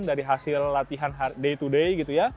dari hasil latihan day to day gitu ya